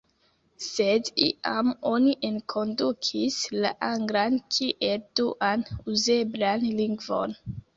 Sed iam oni enkondukis la anglan kiel duan uzeblan lingvon.